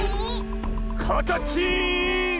かたちん！